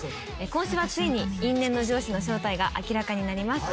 今週はついに因縁の上司の正体が明らかになります。